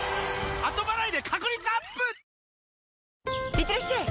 いってらっしゃい！